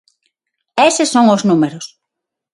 Eses son os números.